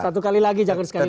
satu kali lagi jangan sekali